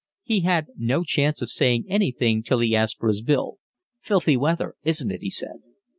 He had no chance of saying anything till he asked for his bill. "Filthy weather, isn't it?" he said.